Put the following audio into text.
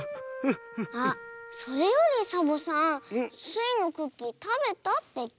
あっそれよりサボさんスイのクッキーたべたっていった？